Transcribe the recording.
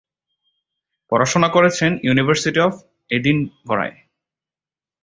পড়াশোনা করেছেন university of এডিনবরায়।